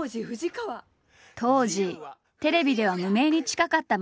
当時テレビでは無名に近かった松下。